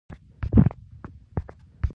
احمد پر علي راغورځېد.